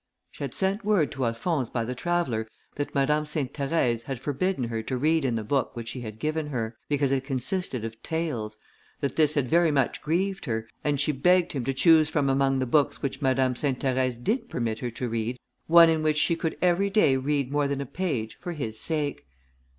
She had sent word to Alphonse by the traveller, that Madame Sainte Therèse had forbidden her to read in the book which he had given her, because it consisted of tales; that this had very much grieved her, and she begged him to choose from among the books which Madame Sainte Therèse did permit her to read, one in which she could every day read more than a page for his sake.